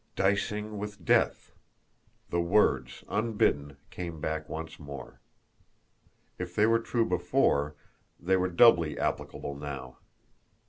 "Dicing with death!" The words, unbidden, came back once more. If they were true before, they were doubly applicable now.